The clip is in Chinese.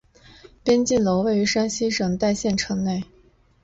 边靖楼位于山西省代县城内。